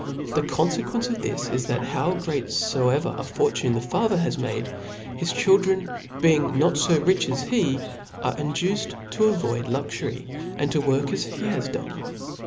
The confcquence of this is, that how great foever a fortune the father has made, his chiN dren, being not fo rich as he, are induced to avoid luxury, and to work as he had done.